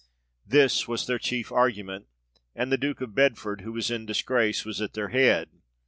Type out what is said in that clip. This was their chief argument, and the Duke of Bedford, who was in disgrace, was at their head.